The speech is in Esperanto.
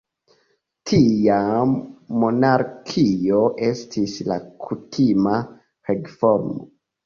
Tiam monarkio estis la kutima regformo.